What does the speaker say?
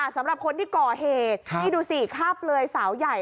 สำหรับคนที่ก่อเหตุนี่ดูสิฆ่าเปลือยสาวใหญ่